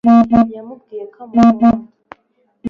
yamubwiye ko amukunda